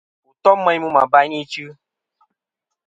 Wù tom meyn mu mɨ abayn ichɨ.